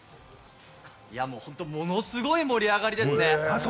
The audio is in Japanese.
本当ものすごい盛り上がりですね。